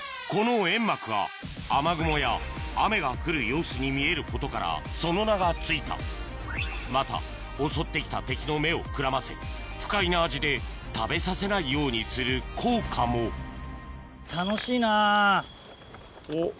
この煙幕が雨雲や雨が降る様子に見えることからその名が付いたまた襲って来た敵の目をくらませ不快な味で食べさせないようにする効果も楽しいな。